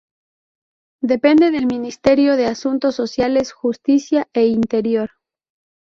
Depende del Ministerio de Asuntos Sociales, Justicia e Interior.